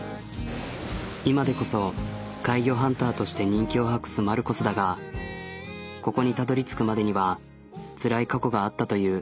今でこそ怪魚ハンターとして人気を博すマルコスだがここにたどり着くまでにはつらい過去があったという。